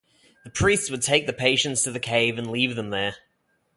The priests would take the patients to the cave and leave them there.